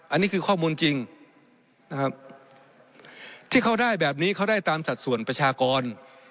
อันนี้คือข้อมูลจริงนะครับที่เขาได้แบบนี้เขาได้ตามสัดส่วนประชากร